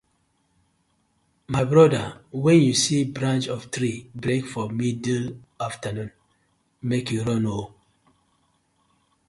My bother wen yu see branch of tree break for middle afternoon mek yu run ooo.